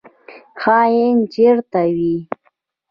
خاین چیرته وي؟